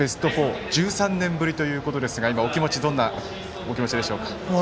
春のベスト４１３年ぶりということですが今、どんなお気持ちでしょうか？